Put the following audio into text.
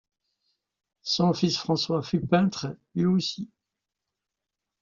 Son fils François fut peintre lui aussi.